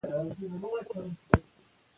ورزش د سرطان د خطر کمولو لپاره ګټور دی.